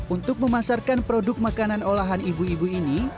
untuk memasarkan produk makanan olahan ibu ibu ini